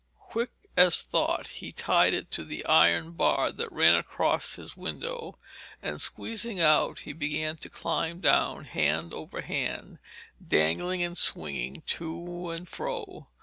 Quick as thought he tied it to the iron bar that ran across his window, and, squeezing out, he began to climb down, hand over hand, dangling and swinging to and fro.